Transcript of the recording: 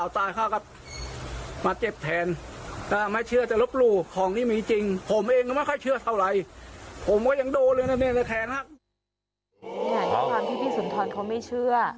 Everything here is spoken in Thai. ดูแบบพี่สุดท้อนเค้าไม่เชื่อ